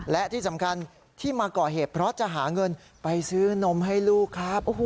และที่สำคัญที่มาก่อเหตุเพราะจะหาเงินไปซื้อนมให้ลูกครับ